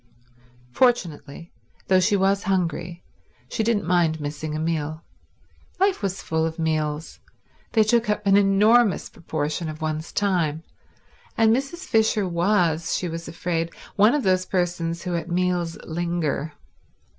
Fortunately, though she was hungry, she didn't mind missing a meal. Life was full of meals. They took up an enormous proportion of one's time; and Mrs. Fisher was, she was afraid, one of those persons who at meals linger.